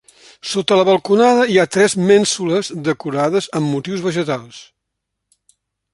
Sota la balconada hi ha tres mènsules decorades amb motius vegetals.